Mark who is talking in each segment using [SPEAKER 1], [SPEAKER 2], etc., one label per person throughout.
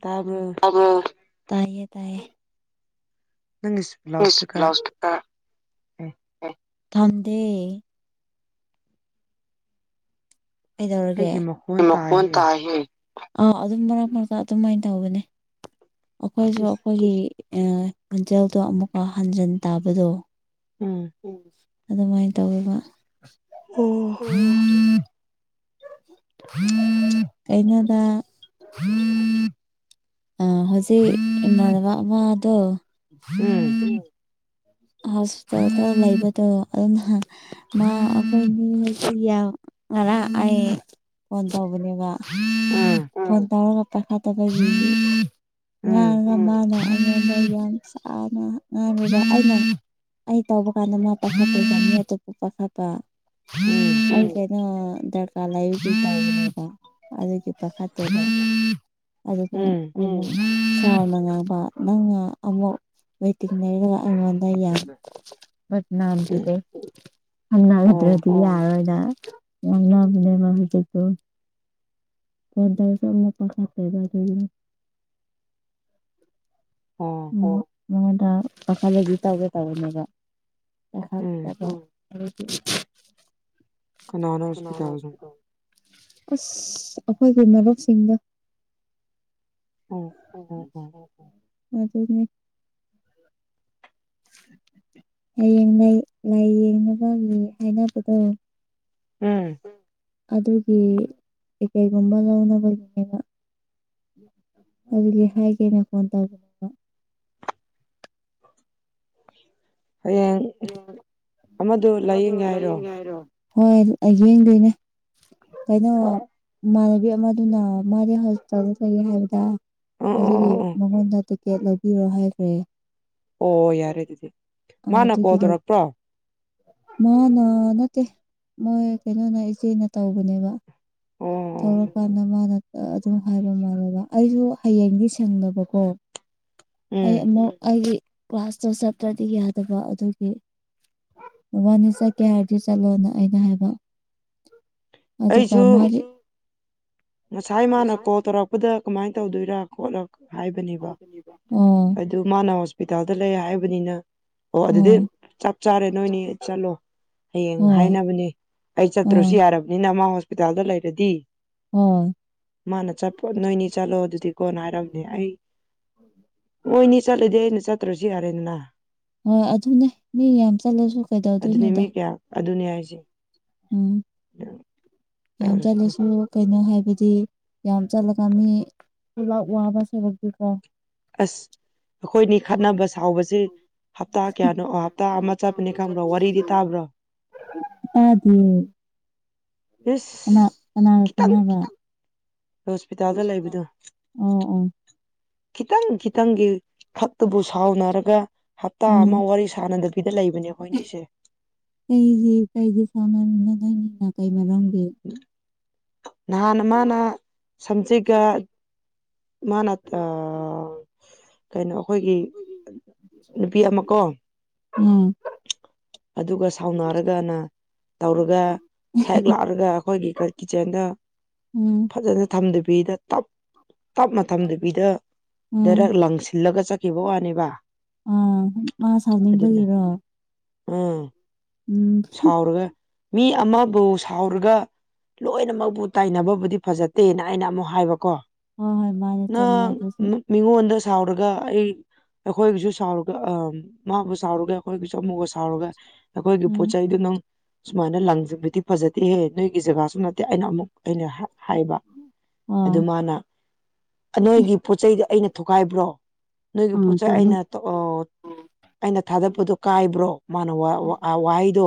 [SPEAKER 1] ꯇꯥꯕ꯭ꯔꯣ
[SPEAKER 2] ꯑ ꯇꯥꯏꯌꯦꯌꯦ ꯇꯥꯏꯌꯦ
[SPEAKER 1] ꯅꯪꯒꯤ ꯂꯥꯎꯠ ꯏꯁꯄꯤꯀꯔ ꯑꯦ
[SPEAKER 2] ꯊꯝꯁꯦ ꯀꯩꯗꯧꯔꯒꯦ
[SPEAKER 1] ꯑꯩꯒꯤ
[SPEAKER 2] ꯃꯈꯣꯟ
[SPEAKER 1] ꯇꯥꯏꯍꯦ
[SPEAKER 2] ꯇ ꯑꯥ ꯑꯗꯨꯝ ꯃꯔꯛ ꯃꯔꯛꯇ ꯑꯗꯨꯃꯥꯏꯅ ꯇꯧꯕꯅꯤ ꯑꯩꯈꯣꯏꯁꯨ
[SPEAKER 1] ꯏꯁ
[SPEAKER 2] ꯑꯩꯈꯣꯏꯒꯤ ꯈꯣꯟꯖꯦꯜꯗꯣ ꯑꯃꯨꯛꯀ ꯍꯟꯖꯤꯟ ꯇꯥꯕꯗꯣ
[SPEAKER 1] ꯎꯝ
[SPEAKER 2] ꯑꯗꯨꯃꯥꯏꯅ ꯇꯧꯋꯦꯕ
[SPEAKER 1] ꯑꯣ
[SPEAKER 2] ꯑꯩꯅꯗ ꯑ ꯍꯧꯖꯤꯛ ꯏꯃꯥꯟꯅꯕ ꯑꯃꯗꯣ
[SPEAKER 1] ꯎꯝ
[SPEAKER 2] ꯍꯣꯁꯄꯤꯇꯥꯜꯗ ꯂꯩꯕꯗꯣ ꯑꯗꯨꯅꯁꯨ ꯉꯅꯥ ꯑꯩ ꯐꯣꯟ ꯇꯧꯕꯅꯦꯕ
[SPEAKER 1] ꯎꯝ
[SPEAKER 2] ꯐꯣꯟ ꯇꯧꯔꯒ ꯄꯥꯏꯈꯥꯠꯇꯕꯒꯤ
[SPEAKER 1] ꯎꯝ
[SPEAKER 2] ꯉꯥꯡꯒ ꯃꯥꯅ ꯃ ꯆ ꯑꯩ ꯇꯧꯕ ꯀꯥꯟꯗ ꯃꯥ ꯄꯥꯈꯠꯄ ꯆꯅꯤ ꯑꯗꯨꯇꯣꯞꯄ ꯄꯥꯈꯠꯄ
[SPEAKER 1] ꯎꯝ
[SPEAKER 2] ꯑꯩ ꯀꯩꯅꯣ ꯗꯔꯀꯥꯔ ꯂꯩꯀ ꯑꯗꯨꯒꯤ ꯈꯠꯇꯗ ꯑꯗꯨ
[SPEAKER 1] ꯎꯝ
[SPEAKER 2] ꯎ ꯆꯥꯎꯅ ꯉꯥꯡꯕ ꯅꯪꯅ ꯑꯃꯨꯛ ꯂꯩꯇꯤꯡ ꯂꯩꯔꯒ ꯑꯩꯉꯣꯟꯗ
[SPEAKER 1] ꯎꯝ
[SPEAKER 2] ꯅꯥꯝꯗ
[SPEAKER 1] ꯑꯣ
[SPEAKER 2] ꯁꯝꯅꯥꯒꯗ꯭ꯔꯗꯤ ꯌꯥꯔꯣꯏꯗ ꯑꯣꯟꯅꯅꯦ ꯃꯥ ꯍꯥꯏꯗꯤ ꯇ ꯄꯗ ꯆ ꯃꯄ ꯈ
[SPEAKER 1] ꯑꯣꯝ
[SPEAKER 2] ꯅꯉꯣꯟꯗ ꯄꯥꯈꯥꯗꯤ ꯇꯧꯒꯦ ꯇꯧꯋꯅꯦꯕ
[SPEAKER 1] ꯎꯝ
[SPEAKER 2] ꯑꯗꯨ
[SPEAKER 1] ꯀꯟꯅꯣ ꯍꯁꯄꯤꯇꯥꯜ
[SPEAKER 2] ꯑꯁ ꯑꯩꯈꯣꯏꯒꯤ ꯃꯔꯨꯞꯁꯤꯡꯗ
[SPEAKER 1] ꯑꯣ ꯑꯣ ꯑꯣ
[SPEAKER 2] ꯑꯗꯨ ꯍꯌꯦꯡ ꯂꯥꯏꯌꯦꯡꯅꯕꯒꯤ ꯍꯥꯏꯅꯕꯗꯣ
[SPEAKER 1] ꯎꯝ
[SPEAKER 2] ꯑꯗꯨꯒꯤ ꯀꯩꯀꯩꯒꯨꯝꯕ ꯂꯧꯅꯕꯒꯤꯅꯦꯕ ꯑꯗꯨꯒꯤ ꯍꯥꯏꯒꯦꯅ ꯐꯣꯟ ꯇꯧꯕꯅꯦꯕ
[SPEAKER 1] [unintelligible] ꯍꯌꯦꯡ ꯑꯃꯗ ꯂꯥꯏꯌꯦꯡꯒꯦ ꯍꯥꯏꯔꯣ
[SPEAKER 2] ꯍꯣꯏ ꯑꯩ ꯌꯦꯡꯗꯣꯏꯅꯦ ꯀꯩꯅꯣ
[SPEAKER 1] ꯑꯣ
[SPEAKER 2] ꯏꯃꯥꯟꯅꯕꯤ ꯃꯗꯨꯅ ꯃꯥꯗꯤ ꯍꯁꯄꯤꯇꯥꯜꯗ ꯂꯩꯒꯦ ꯍꯥꯏꯕꯗ ꯑꯗꯨꯒꯤ
[SPEAKER 1] ꯑꯣ ꯑꯣ
[SPEAKER 2] ꯃꯉꯣꯟꯗ ꯇꯤꯀꯦꯠ ꯂꯧꯕꯤꯔꯣ ꯍꯥꯏꯈ꯭ꯔꯦ
[SPEAKER 1] ꯑꯣ ꯌꯥꯔꯦ ꯑꯗꯨꯗꯤ ꯃꯥꯅ ꯀꯣꯜ
[SPEAKER 2] ꯑꯗꯨꯒꯤꯗ
[SPEAKER 1] ꯇꯧꯔꯛꯄ꯭ꯔꯣ
[SPEAKER 2] ꯃꯥꯅ ꯅꯠꯇꯦ ꯃꯣꯏ ꯀꯩꯅꯣꯅ ꯏꯆꯦꯅ ꯇꯧꯕꯅꯦꯕ
[SPEAKER 1] ꯑꯣ
[SPEAKER 2] ꯊꯣꯛꯧꯔꯄꯗ ꯃꯥꯅ ꯑꯗꯨꯝ ꯍꯥꯏꯕ ꯃꯥꯜꯂꯕ ꯑꯩꯁꯨ ꯍꯌꯦꯡꯗꯤ ꯁꯁꯤꯡꯡꯂꯕꯀꯣ ꯑꯩ
[SPEAKER 1] ꯎꯝ
[SPEAKER 2] ꯑꯃꯨꯛ ꯑꯩꯒꯤ ꯀ꯭ꯂꯥꯁꯇꯨ ꯆꯠꯇ꯭ꯔꯗꯤ ꯌꯥꯗꯕ ꯑꯗꯨꯒꯤ ꯋꯥꯅꯤꯁ ꯀꯦ ꯍꯥꯏꯔꯗꯤ ꯆꯠꯂꯣꯅ ꯑꯩꯅ ꯍꯥꯏꯕ ꯑꯗꯨꯒ
[SPEAKER 1] ꯑꯩꯁꯨ
[SPEAKER 2] ꯃꯥꯗꯤ
[SPEAKER 1] ꯉꯁꯥꯏ ꯃꯥꯅ ꯀꯣꯜ ꯇꯧꯔꯛꯄꯗ ꯀꯃꯥꯏꯅ ꯇꯧꯗꯣꯏꯔ ꯈꯣꯠꯂ ꯍꯥꯏꯕꯅꯦꯕ
[SPEAKER 2] ꯑꯣ
[SPEAKER 1] ꯑꯗꯨ ꯃꯥꯅ ꯍꯣꯁꯄꯤꯇꯥꯜꯗ ꯂꯩ ꯍꯥꯏꯕ ꯑꯣ ꯑꯗꯨꯗꯤ
[SPEAKER 2] ꯑꯣ
[SPEAKER 1] ꯆꯞ ꯆꯥꯔꯦ ꯅꯣꯏꯅꯤ ꯆꯠꯂꯣ ꯍꯌꯦꯡ
[SPEAKER 2] ꯍꯣꯏ
[SPEAKER 1] ꯍꯥꯏꯅꯕꯅꯦ ꯑꯩ ꯆꯠꯇ꯭ꯔꯨꯁꯨ
[SPEAKER 2] ꯎꯝ
[SPEAKER 1] ꯌꯥꯔꯕ ꯃ ꯍꯣꯁꯄꯤꯇꯥꯜꯗ ꯂꯩꯔꯗꯤ
[SPEAKER 2] ꯍꯣꯏ
[SPEAKER 1] ꯃꯥꯅ ꯆꯠꯄꯣ ꯅꯣꯏꯅꯤ ꯆꯠꯂꯣ ꯑꯗꯨꯗꯤ ꯀꯣꯟꯅ ꯍꯥꯏꯔꯝꯅꯦ ꯑꯩ ꯑꯣꯏꯣꯏꯅꯤ ꯆꯠꯂꯗꯤ ꯑꯩꯅ ꯆꯠꯇ꯭ꯔꯁꯨ ꯌꯥꯔꯦꯗꯅ
[SPEAKER 2] ꯍꯣꯏ ꯑꯗꯨꯅꯦ ꯃꯤ ꯌꯥꯝ ꯆꯠꯂꯁꯨ ꯀꯩꯗꯧꯗꯣꯏꯅꯣꯗ
[SPEAKER 1] ꯑꯗꯨꯅꯦ ꯍꯥꯏꯁꯦ
[SPEAKER 2] ꯎꯝ ꯌꯥꯝ ꯆꯠꯂꯁꯨ ꯀꯩꯅꯣ ꯍꯥꯏꯕ ꯍꯥꯏꯗꯤ ꯌꯥꯝ ꯆꯠꯂꯒ ꯃꯤ ꯄꯨꯂꯥꯛ ꯋꯥꯕ ꯁꯕꯛꯇꯤꯀꯣ
[SPEAKER 1] ꯑꯁ ꯑꯩꯈꯣꯏꯅꯤ ꯈꯠꯅꯕ ꯁꯥꯎꯕꯁꯦ ꯍꯞꯇꯥ ꯀꯌꯥꯅꯣ ꯑꯣ ꯍꯞꯇꯥ ꯑꯃ ꯆꯠꯄꯅꯤ ꯈꯪꯕ꯭ꯔꯣ ꯋꯥꯔꯤꯗꯤ ꯇꯥꯕ꯭ꯔꯣ
[SPEAKER 2] ꯇꯥꯗ ꯀꯅꯥ
[SPEAKER 1] ꯏꯁ
[SPEAKER 2] ꯀꯅꯥꯒ
[SPEAKER 1] ꯈꯤꯇꯪ
[SPEAKER 2] ꯀꯥꯟꯅꯕ
[SPEAKER 1] ꯍꯣꯁꯄꯤꯇꯥꯜꯗ ꯂꯩꯕꯗꯣ
[SPEAKER 2] ꯑꯣ ꯑꯣ
[SPEAKER 1] ꯈꯤꯇꯪ ꯈꯤꯇꯪꯒꯤ ꯈꯛꯇꯕꯨ ꯁꯥꯎꯅꯔꯒ ꯍꯞꯇꯥ ꯑꯃ ꯋꯥꯔꯤ ꯁꯥꯟꯅꯗ
[SPEAKER 2] ꯀꯁꯦ ꯀꯥꯏꯁꯦ ꯁꯥꯎꯅ ꯅꯅꯉꯅꯤꯡꯅ ꯀꯥꯏꯃꯔꯪꯗ
[SPEAKER 1] ꯅꯍꯥꯟꯅ ꯃꯥꯅ ꯁꯝꯖꯦꯛꯒ ꯃꯥꯅꯠꯇ ꯅꯨꯄꯤ ꯑꯃ ꯀꯣ
[SPEAKER 2] ꯎꯝ
[SPEAKER 1] ꯑꯗꯨꯒ ꯁꯥꯎꯅꯔꯒꯅ ꯇꯧꯔꯒ ꯍꯦꯛ ꯂꯥꯛꯑꯒ ꯑꯩꯈꯣꯏꯒꯤ ꯇꯦꯟꯗ
[SPEAKER 2] ꯎꯝ
[SPEAKER 1] ꯐꯖꯅ ꯊꯝꯗꯕꯤꯗ ꯇꯞ ꯇꯞ ꯃꯇꯝꯗꯕꯤꯗ ꯗꯥꯏꯔꯦꯛ
[SPEAKER 2] ꯎꯝ
[SPEAKER 1] ꯂꯪꯁꯤꯜꯂꯒ ꯆꯠꯈꯤꯕ ꯋꯥꯅꯦꯕ
[SPEAKER 2] ꯑꯥ ꯃꯥ
[SPEAKER 1] ꯑꯗꯨꯅ
[SPEAKER 2] ꯁꯥꯎꯅꯤꯡꯕꯒꯤꯔꯣ
[SPEAKER 1] ꯎꯝ
[SPEAKER 2] ꯎꯝ
[SPEAKER 1] ꯁꯥꯎꯔꯒ ꯃꯤ ꯑꯃꯕꯨ ꯁꯥꯎꯔꯒ ꯂꯣꯏꯅꯃꯛꯕꯨ ꯇꯥꯏꯅꯕꯕꯨꯗꯤ ꯐꯖꯠꯇꯦꯅ ꯑꯩꯅ ꯑꯃꯨꯛ ꯍꯥꯏꯕꯀꯣ
[SPEAKER 2] ꯍꯣꯏ ꯍꯣꯏ ꯃꯥꯅꯦ
[SPEAKER 1] ꯅ
[SPEAKER 2] ꯆꯨꯝꯃꯦ ꯑꯗꯨꯁꯨ
[SPEAKER 1] ꯃꯉꯨ ꯑꯗ ꯁꯥꯎꯔꯒ ꯑꯩ ꯑꯩꯈꯣꯏꯒꯤꯁꯨ ꯁꯥꯎꯔꯒ ꯑ ꯃꯥꯕꯨ ꯁꯥꯎꯔꯒ ꯑꯩꯈꯣꯏꯒꯤꯁꯨ ꯆꯃꯨꯒ ꯁꯥꯎꯔꯒ ꯑꯩꯈꯣꯏꯒꯤ ꯄꯣꯠ
[SPEAKER 2] ꯎꯝ
[SPEAKER 1] ꯆꯩꯗꯨ ꯅꯪ ꯁꯨꯃꯥꯏꯅ ꯂꯪꯁꯤꯕꯗꯤ ꯐꯖ ꯅꯠꯇꯦꯍꯦ ꯅꯣꯏꯒꯤ ꯖꯒꯥꯁꯨ ꯅꯠꯇꯦ ꯑꯩꯅ ꯑꯃꯨꯛ ꯑꯩꯅ ꯍꯥꯏꯕ ꯑꯗꯨ
[SPEAKER 2] ꯑꯣ
[SPEAKER 1] ꯃꯥꯅ ꯅꯣꯏꯒꯤ ꯄꯣꯠ ꯆꯩꯗ ꯑꯩꯅ ꯊ ꯊꯣꯛꯈꯥꯏꯕ꯭ꯔꯣ ꯅꯣꯏꯒꯤ ꯄꯣꯠ
[SPEAKER 2] ꯑ
[SPEAKER 1] ꯆꯩꯩ
[SPEAKER 2] ꯆꯨꯝꯃꯤ
[SPEAKER 1] ꯑꯩꯅ ꯑꯩꯅ ꯊꯥꯗꯄꯗꯣ ꯀꯥꯏꯕ꯭ꯔꯣ ꯃꯥꯅ ꯋꯥꯍꯩꯗꯣ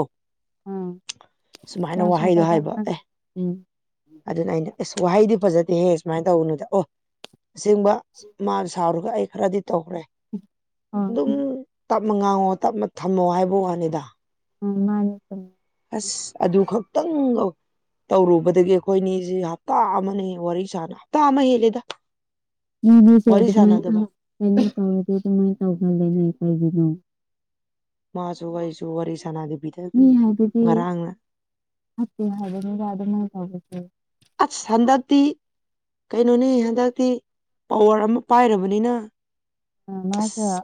[SPEAKER 1] ꯁꯨꯃꯥꯏꯅ
[SPEAKER 2] ꯌꯥꯝ
[SPEAKER 1] ꯋꯥꯍꯩꯗꯣ
[SPEAKER 2] ꯐꯖꯕ
[SPEAKER 1] ꯍꯥꯏꯕ ꯑꯦ
[SPEAKER 2] ꯉꯥꯡꯗꯣ ꯎꯝ
[SPEAKER 1] ꯑꯗꯨꯅ ꯑꯩꯅ ꯑꯁ ꯋꯥꯍꯩꯗꯤ ꯐꯖꯗꯦꯍꯦ ꯁꯨꯃꯥꯏꯅ ꯇꯧꯕꯅꯨꯗ ꯑꯣ ꯑꯁꯦꯡꯕ ꯃꯥ ꯁꯥꯎꯔꯒ ꯑꯩ ꯈꯔꯗꯤ ꯇꯧꯈ꯭ꯔꯦ
[SPEAKER 2] ꯑꯣ
[SPEAKER 1] ꯑꯗꯨꯝ ꯇꯞ ꯑꯃ ꯉꯥꯡꯉꯣ ꯇꯞ ꯑꯃ ꯊꯝꯃꯣ ꯍꯥꯏꯕ ꯋꯥꯅꯤꯗ
[SPEAKER 2] ꯎꯝ ꯃꯥꯅꯤ
[SPEAKER 1] ꯑꯁ ꯑꯗꯨ ꯈꯛꯇꯪ ꯇꯧꯔꯨꯕꯗꯒꯤ ꯑꯩꯈꯣꯏꯅꯤꯁꯤ ꯍꯞꯇꯥ ꯑꯃꯅꯦ ꯋꯥꯔꯤ ꯁꯥꯅ ꯍꯞꯇꯥ ꯑꯃ ꯍꯦꯜꯂꯤꯦꯗ
[SPEAKER 2] ꯃꯤꯅꯦꯁꯦ ꯑꯗꯨꯃꯥꯏꯅ ꯑꯁ ꯀꯩꯅ ꯇꯧꯔꯗꯤ ꯑꯗꯨꯃꯥꯏꯅ ꯇꯧꯒꯗꯦꯅꯦ ꯑꯩ ꯀꯔꯤꯒꯤꯅꯣ
[SPEAKER 1] ꯃꯥꯁꯨ ꯋꯥꯔꯤꯁꯨ ꯋꯥꯔꯤ ꯁꯥꯟꯅꯗꯦꯕꯤꯤꯗꯗꯨꯅ ꯉꯔꯥꯡꯅ
[SPEAKER 2] ꯑ ꯍꯥꯏꯗꯅꯤ ꯔꯗ ꯃ ꯂꯁ
[SPEAKER 1] ꯑꯁ ꯍꯟꯗꯛꯇꯤ ꯀꯩꯅꯣꯅꯦ ꯍꯟꯗꯛꯇꯤ ꯄꯋꯥꯔ ꯑꯃ ꯄꯥꯏꯔꯕꯅꯤꯅ
[SPEAKER 2] ꯑ ꯃꯥꯖ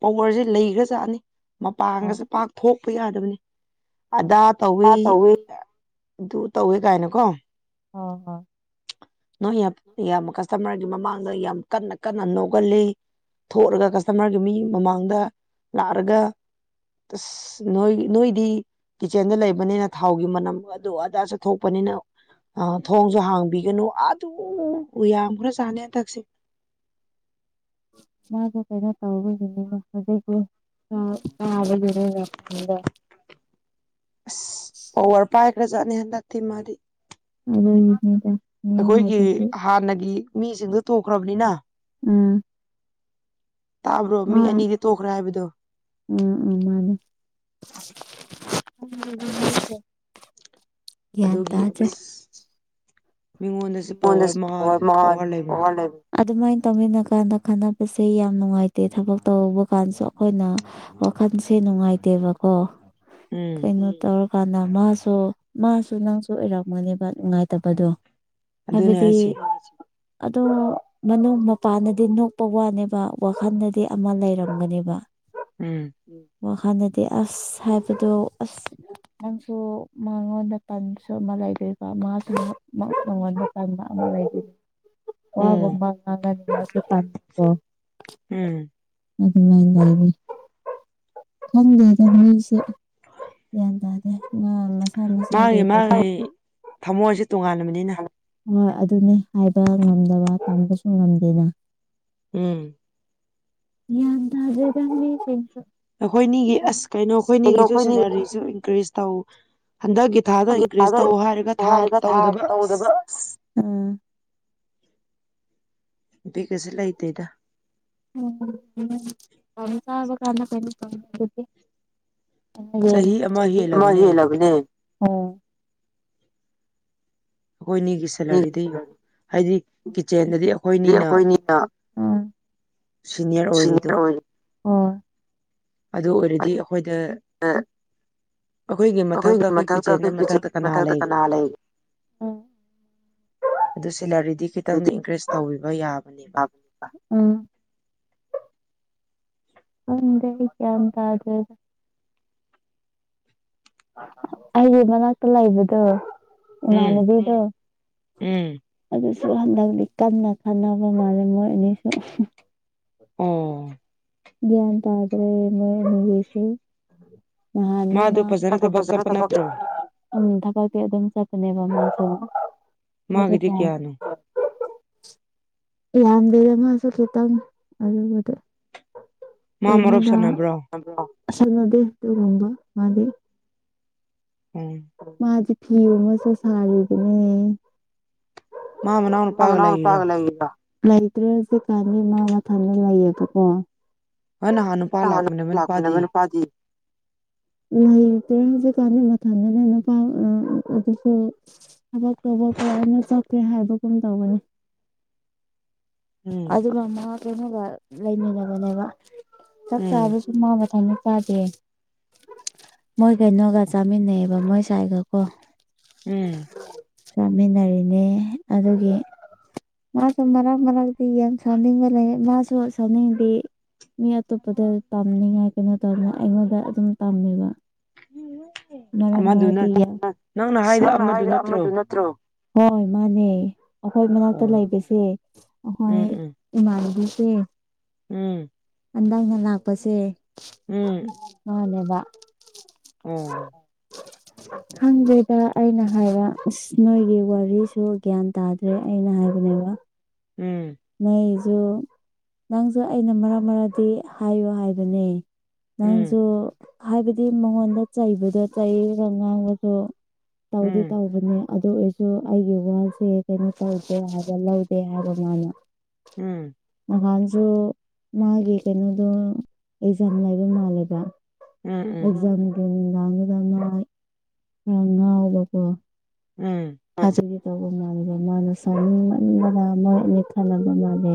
[SPEAKER 1] ꯄꯋꯔꯁꯦ ꯂꯩꯈ꯭ꯔ ꯆꯥꯅꯤ ꯃꯄꯥꯡꯒꯁꯨ
[SPEAKER 2] ꯑꯣ
[SPEAKER 1] ꯄꯥꯛ ꯊꯣꯛꯄ ꯌꯥꯗꯕꯅꯤ ꯑꯗꯥ
[SPEAKER 2] ꯑꯣ
[SPEAKER 1] ꯇꯧꯋꯤ
[SPEAKER 2] ꯑ
[SPEAKER 1] ꯑꯗꯨ ꯇꯧꯋꯦ ꯀꯥꯏꯅꯀꯣ
[SPEAKER 2] ꯍ ꯍꯣ
[SPEAKER 1] ꯅꯣꯏ ꯌꯥꯝ ꯀꯁꯇꯃꯔꯒꯤ ꯃꯃꯥꯡꯗ ꯌꯥꯝ ꯀꯟꯅ ꯀꯟꯅ ꯅꯣꯛꯒꯜꯂꯤ ꯊꯣꯛꯑꯒ ꯀꯁꯇꯃꯔꯒꯤ ꯃꯤ ꯃꯃꯥꯡꯗ ꯂꯥꯛꯑꯒ ꯅꯣꯏ ꯅꯣꯏꯗꯤ ꯀꯤꯠꯆꯦꯟꯗ ꯂꯩꯕꯅꯤꯅ ꯊꯥꯎꯒꯤ ꯃꯅꯝ ꯑꯗꯨ ꯑꯗꯥ ꯆꯠꯊꯣꯛꯄꯅꯤꯅ ꯑ ꯊꯣꯡꯁꯨ ꯍꯥꯡꯕꯤꯒꯅꯨ ꯑꯗꯨ ꯎ ꯌꯥꯝꯈ꯭ꯔꯥ ꯆꯥꯅꯤ ꯍꯟꯗꯛꯁꯦ
[SPEAKER 2] ꯃꯥꯁꯨ ꯀꯩꯅ ꯇꯥꯎꯕ ꯍꯧꯖꯤ ꯀ ꯑꯗꯔ [unintelligible]
[SPEAKER 1] ꯑꯁ ꯄꯋꯥꯔ ꯄꯥꯏꯈ꯭ꯔꯖꯥꯠꯅꯤ ꯍꯟꯗꯛꯇꯤ ꯃꯥꯗꯤ
[SPEAKER 2] [inaudible]
[SPEAKER 1] ꯑꯩꯈꯣꯏꯒꯤ
[SPEAKER 2] ꯍꯥꯏꯕꯁꯤ
[SPEAKER 1] ꯍꯥꯟꯅꯒꯤ ꯃꯤꯁꯤꯡꯗꯨ ꯇꯨꯈ꯭ꯔꯕꯅꯤꯅ
[SPEAKER 2] ꯑ
[SPEAKER 1] ꯇꯥꯕ꯭ꯔꯣ
[SPEAKER 2] ꯃꯥ
[SPEAKER 1] ꯃꯤ ꯑꯅꯤꯗꯤ ꯇꯣꯛꯈ꯭ꯔꯦ ꯍꯥꯏꯕꯗꯣ
[SPEAKER 2] ꯎꯝ ꯃꯥꯅꯦ ꯎꯝ ꯒ꯭ꯌꯥꯟ
[SPEAKER 1] ꯑꯗꯨꯒꯤ ꯑꯁ ꯃꯤꯉꯣꯟꯗꯁꯨ
[SPEAKER 2] ꯃꯗ
[SPEAKER 1] ꯄꯋꯥꯔ ꯃꯥ
[SPEAKER 2] ꯃꯍ
[SPEAKER 1] ꯄꯋꯥꯔ ꯂꯩꯕꯅꯤ
[SPEAKER 2] [unintelligible] ꯑꯗꯨꯃꯥꯏꯅ ꯇꯧꯃꯤꯟꯅ ꯀꯥꯟꯗ ꯈꯟꯅꯕꯁꯦ ꯌꯥꯝ ꯅꯨꯡꯉꯥꯏꯇꯦ ꯊꯕꯛ ꯇꯧꯕ ꯀꯥꯟꯁꯨ ꯑꯩꯈꯣꯏꯅ ꯋꯥꯈꯜꯁꯦ ꯅꯨꯡꯉꯥꯏꯇꯦꯕꯀꯣ
[SPEAKER 1] ꯎꯝ
[SPEAKER 2] ꯀꯩꯅꯣ ꯇꯧꯔꯒ ꯍꯥꯟꯅ ꯃꯥꯁꯨ ꯃꯥꯁꯨ ꯅꯪꯁꯨ ꯑꯣꯏꯔꯝꯃꯅꯦꯕ ꯅꯨꯡꯉꯥꯏꯇꯕꯗꯣ
[SPEAKER 1] ꯑꯗꯨꯅꯦ
[SPEAKER 2] ꯍꯥꯏꯕꯗꯤ
[SPEAKER 1] ꯍꯥꯏꯁꯦ
[SPEAKER 2] ꯑꯗꯣ ꯃꯅꯨꯡ ꯃꯄꯥꯟꯗꯗꯤ ꯅꯣꯛꯄ ꯋꯥꯅꯦꯕ ꯋꯥꯈꯜꯗꯗꯤ ꯑꯃ ꯂꯩꯔꯝꯒꯅꯦꯕ
[SPEAKER 1] ꯎꯝ
[SPEAKER 2] ꯋꯥꯈꯜꯗꯗꯤ ꯑꯁ ꯍꯥꯏꯕꯗꯣ ꯑꯁ ꯅꯪꯁꯨ ꯃꯉꯣꯟꯗ ꯄꯟꯁꯨ ꯑꯃ ꯂꯩꯗꯔꯤꯕ ꯃꯥꯁꯨ ꯃꯉꯣꯟꯗ ꯇꯟꯕꯥ ꯑꯃꯂꯩꯔꯤ
[SPEAKER 1] ꯎꯝ
[SPEAKER 2] ꯋꯥꯒꯃ ꯉꯅꯁ ꯇꯥꯟꯣ
[SPEAKER 1] ꯎꯝ
[SPEAKER 2] ꯑꯗꯨ ꯃꯥꯏ ꯂꯩꯏꯗꯤ ꯈꯪꯗꯦꯗ ꯅꯣꯏꯁꯦ ꯒ꯭ꯌꯥꯟ ꯇꯥꯗꯦ ꯑ ꯃꯁꯥ ꯃꯁꯥ ꯀ ꯀꯦ
[SPEAKER 1] ꯇꯣꯉꯜꯂꯕꯅꯤꯅ
[SPEAKER 2] ꯍꯣꯏ ꯑꯗꯨꯅꯦ ꯍꯥꯏꯕ ꯉꯝꯗꯕ ꯇꯝꯕꯁꯨ ꯉꯝꯗꯦꯅ
[SPEAKER 1] ꯎꯝ
[SPEAKER 2] ꯒꯌ꯭ꯥꯟ ꯇꯥꯗꯦꯗꯥ ꯃꯤꯁꯤꯡ
[SPEAKER 1] ꯑꯩꯈꯣꯏꯅꯤꯒꯤ ꯑꯁ ꯀꯩꯅꯣ ꯑꯩꯈꯣꯏꯅꯤꯒꯤꯁꯨ ꯁꯦꯂꯔꯤꯁꯨ ꯏꯟꯀ꯭ꯔꯤꯁ ꯇꯧ ꯍꯟꯗꯛꯀꯤ ꯊꯥꯗ ꯏꯟꯀ꯭ꯔꯤꯖ ꯇꯧ ꯍꯥꯏꯔꯒ ꯊꯥ ꯇꯧꯗꯕ ꯑꯁ
[SPEAKER 2] ꯑꯥ
[SPEAKER 1] ꯕꯤꯠꯀꯁꯦ ꯂꯩꯇꯦꯗ
[SPEAKER 2] ꯀ ꯍꯥꯕ ꯀꯅꯥ ꯄꯅꯤ
[SPEAKER 1] ꯆꯍꯤ
[SPEAKER 2] ꯑꯃ
[SPEAKER 1] ꯍꯦꯜꯂꯕꯅꯦ
[SPEAKER 2] ꯌꯦꯂꯒꯅꯦ ꯑꯣꯝ
[SPEAKER 1] ꯑꯩꯈꯣꯏꯅꯤꯒꯤ ꯁꯦꯂꯔꯤꯗ ꯌꯦꯡꯉꯨ ꯍꯥꯏꯗꯤ ꯀꯤꯠꯆꯦꯟꯗꯗꯤ ꯑꯩꯈꯣꯏꯅꯤꯅ
[SPEAKER 2] ꯎꯝ
[SPEAKER 1] ꯁꯤꯅꯤꯌꯔ ꯑꯣꯏꯔꯤꯗꯣ
[SPEAKER 2] ꯑꯣ
[SPEAKER 1] ꯑꯗꯨ ꯑꯣꯏꯔꯗꯤ ꯑꯩꯈꯣꯏꯗ ꯑꯩꯈꯣꯏꯒꯤ ꯃꯊꯛꯇ ꯑꯩꯈꯣꯏ ꯀꯤꯆꯦꯟꯗ ꯃꯊꯛꯇ ꯀꯅꯥ ꯂꯩꯔꯤꯅꯦꯕ ꯑꯗꯨ ꯁꯦꯂꯔꯤꯗꯤ ꯈꯤꯇꯪ ꯏꯟꯀ꯭ꯔꯤꯖ ꯇꯧꯕꯤꯕ ꯌꯥꯕꯅꯦꯕ
[SPEAKER 2] ꯍꯗꯦ ꯒꯌ꯭ꯥꯟ ꯇꯥꯗꯦ ꯑꯩꯒꯤ ꯃꯅꯥꯛꯇ ꯂꯩꯕꯗꯣ
[SPEAKER 1] ꯎꯝ
[SPEAKER 2] ꯑꯦꯝꯅꯥꯕꯤꯗꯣ
[SPEAKER 1] ꯎꯝ
[SPEAKER 2] ꯁꯁꯨ ꯍꯟꯗꯛꯇꯤ ꯀꯟꯅ ꯈꯟꯅꯅꯕ ꯃꯥꯜꯂꯦ ꯃꯣꯏ ꯑꯅꯤꯁꯨ
[SPEAKER 1] ꯑꯣ
[SPEAKER 2] ꯭ꯒꯌꯥꯟ ꯇꯥꯗꯔꯅꯤꯕꯤꯁ ꯅꯍꯥꯟꯅꯦ
[SPEAKER 1] ꯃꯥꯗꯣ ꯐꯖꯅ ꯊꯕꯛ ꯆꯠꯄ
[SPEAKER 2] ꯃꯥꯖ
[SPEAKER 1] ꯅꯠꯇ꯭ꯔꯣ
[SPEAKER 2] ꯎꯝ ꯊꯕꯛꯇꯤ ꯑꯗꯨꯝ ꯆꯠꯄꯅꯦꯕ ꯃꯥ ꯑꯗꯨ
[SPEAKER 1] ꯃꯥꯒꯤꯗꯤ
[SPEAKER 2] ꯐ
[SPEAKER 1] ꯀꯌꯥꯅꯣ
[SPEAKER 2] ꯌꯥꯟꯗꯦ ꯑꯃꯁꯁꯨ ꯈꯤꯇꯪ ꯑꯗꯨꯕꯨꯗꯤ
[SPEAKER 1] ꯃꯥ ꯃꯔꯨꯞ
[SPEAKER 2] ꯀꯩꯅꯣꯗ
[SPEAKER 1] ꯁꯥꯟꯅꯕ꯭ꯔꯣ
[SPEAKER 2] ꯁꯥꯟꯅꯗꯦ ꯑꯗꯨꯒꯨꯝꯕ ꯃꯥꯗꯤ
[SPEAKER 1] ꯎꯝ
[SPEAKER 2] ꯃꯥꯖꯤ ꯐꯤꯌ ꯃꯁ ꯁꯥꯔꯗꯅꯦ
[SPEAKER 1] ꯃꯥ ꯃꯅꯥꯎ ꯅꯨꯄꯥꯒ
[SPEAKER 2] ꯃꯥꯃꯅꯥꯎꯅ
[SPEAKER 1] ꯂꯩꯔꯤꯔꯣ
[SPEAKER 2] ꯅꯨꯄꯥꯒꯥ ꯂꯩꯔꯤꯕꯥ ꯂꯩꯇ꯭ꯔꯑꯦꯀꯥꯏꯅꯤ ꯃꯥ ꯃꯊꯟꯅꯤ ꯂꯩꯌꯦꯕꯀꯣ
[SPEAKER 1] ꯍꯣꯏꯅ ꯍꯥꯟ ꯅꯨꯄꯥ ꯂꯥꯛꯃꯤ ꯃ ꯅꯨꯄꯥꯗꯤ
[SPEAKER 2] ꯂꯩ ꯇꯔ ꯍꯧꯖꯤꯛ ꯀꯥꯟ ꯃꯊꯗꯅꯦ ꯅꯨꯄꯥꯥꯎ ꯑꯗꯨꯕꯨ ꯀꯗꯥꯅ ꯆꯠꯀꯦ ꯍꯥꯏꯕꯒꯨꯝ ꯇꯧꯕꯅꯤ
[SPEAKER 1] ꯎꯝ
[SPEAKER 2] ꯑꯗꯨꯒ ꯃꯥ ꯀꯩꯅꯣꯒ ꯂꯩꯃꯤꯟꯅꯕꯅꯦꯕ ꯆꯛ
[SPEAKER 1] ꯎꯝ
[SPEAKER 2] ꯆꯥꯕꯁꯨꯃꯕꯅ ꯆꯥꯗꯦ ꯃꯣꯏ ꯀꯩꯅꯣꯒ ꯆꯥꯃꯤꯟꯅꯩꯕ ꯃꯣꯏ ꯁꯥꯏꯒ ꯀꯣ
[SPEAKER 1] ꯎꯝ
[SPEAKER 2] ꯆꯥꯃꯤꯟꯅꯔꯤꯅꯦ ꯑꯗꯨꯒꯤ ꯃꯥꯁꯨ ꯃꯔꯛ ꯃꯔꯥꯡꯛꯇ ꯌꯥꯝ ꯁꯝꯅꯤꯡꯕ ꯂꯩ ꯃꯥꯁꯨ ꯁꯝꯅꯤꯡꯗꯤ ꯃꯤ ꯑꯇꯣꯞꯄꯗ ꯇꯝꯅꯤꯡꯉꯥꯏ ꯀꯩꯅꯣ ꯇꯧꯗꯅ ꯑꯩꯉꯣꯟꯗ ꯑꯗꯨꯝ ꯇꯝꯃꯦꯕ ꯃꯔꯛ
[SPEAKER 1] ꯑꯃꯗꯨꯅ
[SPEAKER 2] ꯃꯔꯛꯇꯤ ꯁꯝꯅ ꯍꯥꯏꯗ ꯑꯃꯗꯨ ꯅꯠꯇ꯭ꯔꯣ ꯍꯣꯏ ꯃꯥꯅꯦ ꯑꯩꯈꯣꯏ ꯃꯅꯥꯛꯇ
[SPEAKER 1] ꯑꯣ
[SPEAKER 2] ꯂꯩꯕꯁꯦ ꯑꯩꯈꯣꯏ
[SPEAKER 1] ꯎꯝ
[SPEAKER 2] ꯏꯃꯥꯟꯅꯕꯤꯁꯦ
[SPEAKER 1] ꯎꯝ
[SPEAKER 2] ꯍꯟꯗꯛꯅ ꯂꯥꯛꯄꯁꯦ ꯃꯥꯅꯦꯕ
[SPEAKER 1] ꯎꯝ
[SPEAKER 2] [inaudible] ꯈꯪꯗꯦꯗ ꯑꯩꯅ ꯍꯥꯏꯕ ꯑꯁ ꯅꯣꯏꯒꯤ ꯋꯥꯔꯤꯁꯨ ꯒ꯭ꯌꯥꯟ ꯇꯥꯗ꯭ꯔꯦ ꯑꯩꯅ ꯍꯥꯏꯕꯅꯦꯕ ꯕ
[SPEAKER 1] ꯎꯝ
[SPEAKER 2] ꯑꯗꯨ ꯅꯪꯁꯨ ꯑꯩꯅ ꯃꯔꯛ ꯃꯔꯛꯗꯤ ꯍꯥꯏꯌꯣ ꯍꯥꯏꯕꯅꯦ
[SPEAKER 1] ꯎꯝ
[SPEAKER 2] ꯅꯪꯁꯨ ꯍꯥꯏꯕꯗꯤ ꯃꯉꯣꯟꯗ ꯆꯩꯕꯗꯣ ꯆꯩꯩꯔ ꯉꯥꯡꯕꯁꯨ ꯇꯥꯎꯗꯦ
[SPEAKER 1] ꯎꯝ
[SPEAKER 2] ꯇꯥꯎꯕꯅꯤ ꯑꯗꯨ ꯑꯣꯏꯔꯁꯨ ꯑꯩꯒꯤ ꯋꯥꯁꯦ ꯀꯩꯅꯣ ꯇꯧꯗꯦ ꯍꯥꯏꯕ ꯂꯧꯗꯦ ꯍꯥꯏꯕ ꯃꯥꯅ
[SPEAKER 1] ꯎꯝ
[SPEAKER 2] ꯅꯍꯥꯟꯁꯨ ꯃꯥꯒꯤ ꯀꯩꯅꯣꯗꯣ ꯑꯦꯛꯖꯥꯝ ꯂꯩꯕ ꯃꯥꯜꯂꯦꯕ
[SPEAKER 1] ꯎꯝ ꯎꯝ
[SPEAKER 2] ꯑꯦꯛꯖꯥꯝ ꯂꯥꯡꯗꯨꯗꯅꯉ ꯉꯥꯡ ꯉꯥꯎꯕꯀꯣ
[SPEAKER 1] ꯎꯝ
[SPEAKER 2] ꯑꯗꯨꯒꯤ ꯇꯧꯕ ꯃꯥꯟꯗ ꯃꯥꯅ ꯁꯥꯎꯅꯤꯡꯃꯟꯕꯗ ꯃꯣꯏ ꯑꯅꯤ ꯈꯟꯅꯕ ꯃꯥꯜꯂꯦ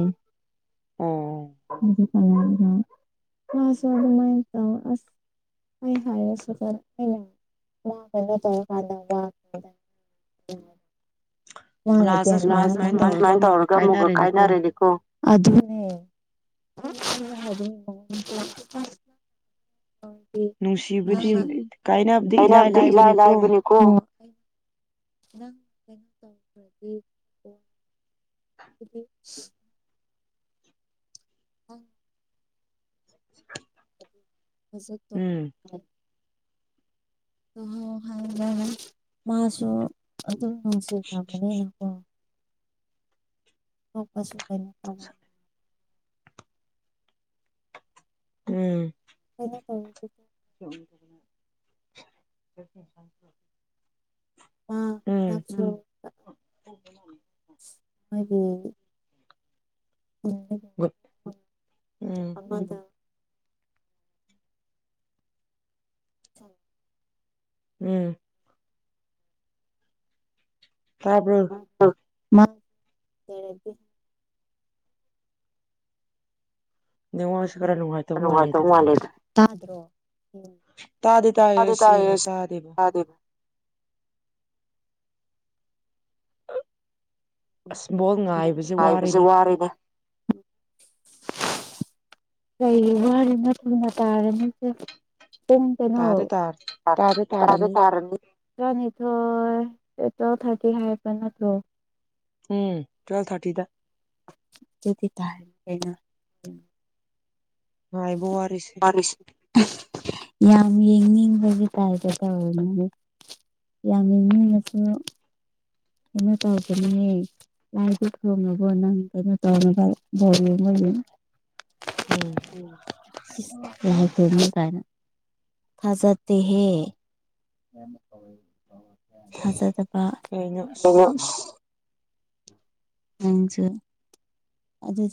[SPEAKER 1] ꯑꯣ
[SPEAKER 2] ꯎꯝ ꯍꯨꯝ ꯎꯝ ꯃꯥꯁ ꯑꯗꯨꯃꯥꯏ ꯇꯧ ꯑꯁ ꯍ‌ꯣꯏ ꯍꯥꯏꯔꯁ‌ꯦ ꯃꯥ ꯀꯩꯅ‌ꯣ ꯇꯧꯕ ꯀꯥꯟꯗ ꯋꯥ ꯃꯥꯏꯗꯤ ꯂꯥꯁꯇꯥ ꯁꯨꯃꯥꯏ ꯁꯨꯃꯥꯏꯅ ꯇꯧꯔꯒ ꯑꯃꯨꯛꯒ ꯀꯥꯏꯅꯔꯗꯤꯀꯣ ꯑꯗꯨꯅꯦ [unintelligible]
[SPEAKER 1] ꯅꯨꯡꯁꯤꯕꯗꯤ ꯀꯥꯏꯅꯕ
[SPEAKER 2] ꯀꯥꯏꯅꯕꯗꯤ ꯏꯂꯥꯏ ꯂꯥꯏꯕꯅꯤꯀꯣ ꯅꯪ ꯀꯩꯅꯣ ꯇꯧꯈ꯭ꯔꯗꯤ ꯑꯗꯨ ꯎ ꯍꯧꯖꯠ ꯇꯣ
[SPEAKER 1] ꯎꯝ
[SPEAKER 2] ꯑ ꯍꯥꯏꯗꯦ ꯃꯥꯁꯨ ꯑꯗꯨꯝ ꯅꯨꯡꯁꯤꯈ꯭ꯔꯕꯅꯤꯅꯀꯣ ꯃꯥ ꯀꯩꯁꯨ ꯀꯩꯅꯣ ꯇꯧ
[SPEAKER 1] ꯎꯝ
[SPEAKER 2] [unintelligible]
[SPEAKER 1] [unintelligible]
[SPEAKER 2] ꯑ ꯅꯪ ꯁꯨ
[SPEAKER 1] ꯎꯝ
[SPEAKER 2] ꯍꯥꯏꯗꯤ
[SPEAKER 1] ꯎꯝ
[SPEAKER 2] ꯑꯃꯗ ꯍꯝ
[SPEAKER 1] ꯎꯝ ꯇꯥꯕ꯭ꯔ‌ꯣ
[SPEAKER 2] ꯃꯥ ꯂꯩꯔꯗꯤ
[SPEAKER 1] ꯅꯦꯠꯋꯥꯛꯁꯦ
[SPEAKER 2] ꯎꯝ
[SPEAKER 1] ꯈꯔ ꯅꯨꯡꯉꯥꯏꯇꯕ
[SPEAKER 2] ꯅꯨꯡꯉꯥꯏ ꯇꯧ
[SPEAKER 1] ꯃꯥꯜꯂꯦꯗ
[SPEAKER 2] ꯃꯥꯜꯂꯤꯇꯥ ꯇꯥꯗꯔꯣ ꯎꯝ
[SPEAKER 1] ꯇꯥꯏꯌꯦ
[SPEAKER 2] ꯇꯥꯗꯤ ꯇꯥꯏ ꯑꯦ
[SPEAKER 1] ꯁꯦꯡꯅ
[SPEAKER 2] ꯑꯩꯁꯦ
[SPEAKER 1] ꯇꯥꯗꯦꯕ
[SPEAKER 2] ꯇꯗꯤ
[SPEAKER 1] ꯑꯁ ꯕꯣꯜ ꯉꯥꯏꯕꯁꯦ
[SPEAKER 2] ꯍꯥꯏꯕꯁꯦ
[SPEAKER 1] ꯋꯥꯔꯦꯅꯦ
[SPEAKER 2] ꯋꯥꯔꯤꯅꯦ ꯀꯩ ꯋꯥꯔꯤꯔ ꯅ ꯊꯨꯅ ꯇꯥꯔꯅꯤꯁꯦ ꯄꯨꯡ ꯀꯩꯅꯣ
[SPEAKER 1] ꯇꯥꯗꯤ ꯇꯥꯔꯦ ꯇꯥꯗꯤ
[SPEAKER 2] ꯇꯥꯗꯦ
[SPEAKER 1] ꯇꯥꯔꯅꯤ
[SPEAKER 2] ꯇꯥꯔꯗꯤ ꯥꯇꯔꯥꯅꯤꯊꯣꯏ ꯑꯦꯇꯣ ꯊꯥ꯭ꯔꯒꯇꯤ ꯍꯥꯏꯕ ꯅꯠꯇ꯭ꯔꯣ
[SPEAKER 1] ꯎꯝ ꯇ꯭ꯋꯦꯜ ꯊꯥꯔꯇꯤꯗ
[SPEAKER 2] ꯑꯗꯨꯗꯤ ꯊꯅ ꯂꯩꯩꯅ
[SPEAKER 1] ꯉꯥꯏ ꯔꯤꯁꯤ
[SPEAKER 2] ꯌꯥꯝ ꯌꯦꯡꯅꯤꯡꯕꯒꯤ ꯇꯥꯏꯒ ꯇꯧꯕꯅꯤ ꯌꯥꯝꯃꯤꯃꯤꯟꯅꯁꯨ ꯀꯩꯅꯣ ꯇꯧꯕꯗꯅꯤꯅꯦ ꯂꯥꯏꯗꯨ ꯊꯣꯡꯉꯅꯕꯣ ꯅꯪ ꯀꯩꯅꯣ ꯇꯧꯅꯕ ꯕꯣꯣꯏ ꯎꯝ ꯎꯝ
[SPEAKER 1] ꯎꯝ
[SPEAKER 2] ꯌꯥ ꯀꯥꯏꯅ ꯊꯥꯖꯦ ꯍꯦ ꯊꯥꯖꯗꯕ
[SPEAKER 1] ꯀꯩꯅꯣ ꯑꯁ
[SPEAKER 2] ꯃꯁꯨ ꯑꯗꯨ